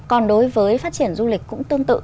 còn đối với phát triển du lịch cũng tương tự